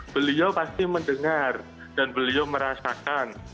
beliau pasti mendengar dan beliau merasakan